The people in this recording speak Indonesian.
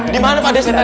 dimana pade setan